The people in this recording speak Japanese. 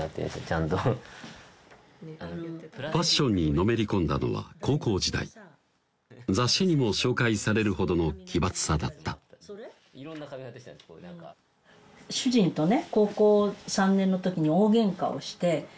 ちゃんとファッションにのめり込んだのは高校時代雑誌にも紹介されるほどの奇抜さだった主人とね